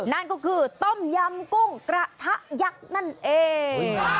นั่นก็คือต้มยำกุ้งกระทะยักษ์นั่นเอง